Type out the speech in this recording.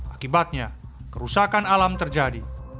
akibatnya kerusakan alam terjadi